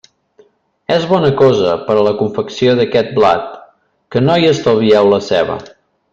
És bona cosa, per a la confecció d'aquest plat, que no hi estalvieu la ceba.